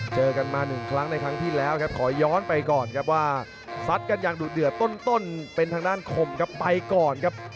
เจอกันมา๑ครั้งในครั้งที่แล้วครับ